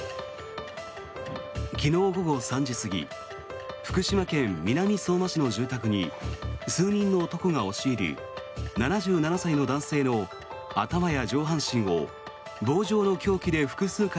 昨日午後３時過ぎ福島県南相馬市の住宅に数人の男が押し入り７７歳の男性の頭や上半身を棒状の凶器で複数回